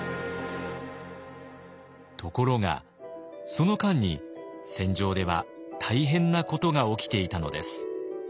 ところがその間に戦場では大変なことが起きていたのです。